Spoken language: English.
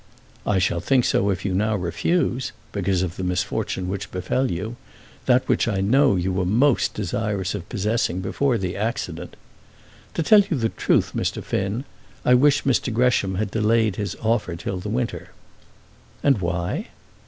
"I shall think so if you now refuse because of the misfortune which befell you that which I know you were most desirous of possessing before that accident. To tell you the truth, Mr. Finn, I wish Mr. Gresham had delayed his offer till the winter." "And why?"